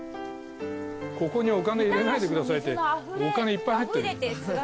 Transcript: ここにお金入れないでくださいってお金いっぱい入ってるよ。